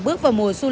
bước vào mùa xuân